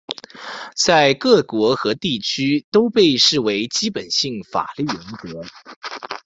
在各国和地区都被视为基本性法律原则。